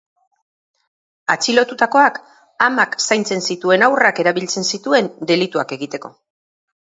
Atxilotutakoak amak zaintzen zituen haurrak erabiltzen zituen delituak egiteko.